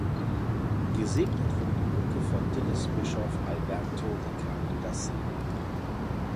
Gesegnet wurde die Brücke von Dilis Bischof Alberto Ricardo da Silva.